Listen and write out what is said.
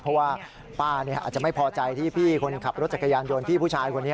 เพราะว่าป้าอาจจะไม่พอใจที่พี่คนขับรถจักรยานยนต์พี่ผู้ชายคนนี้